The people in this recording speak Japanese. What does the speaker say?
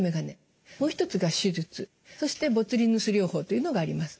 もう一つが手術そしてボツリヌス療法というのがあります。